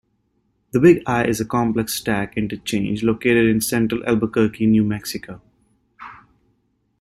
The Big I is a complex stack interchange located in central Albuquerque, New Mexico.